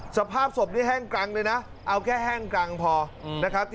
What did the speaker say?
สภาพศพนี้แห้งกรังเลยนะเอาแค่แห้งกรังพอนะครับ